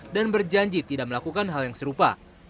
berjanji tidak melakukan hal yang serupa